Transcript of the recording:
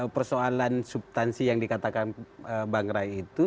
persoalan subtansi yang dikatakan bang ray itu